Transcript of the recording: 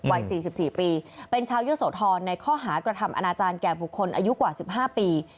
วัย๔๔ปีเป็นชาวเยอะโสธรในข้อหากระทำอนาจารย์แก่บุคคลอายุกว่า๑๕ปี